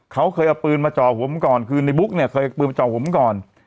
เขาเคยเอาปืนมาจ่อผมก่อนคือในบุ๊กเนี่ยเคยเอาปืนมาจ่อผมก่อน